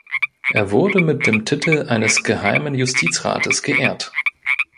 Er wurde mit dem Titel eines Geheimen Justizrates geehrt.